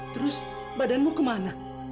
terus badanmu kemana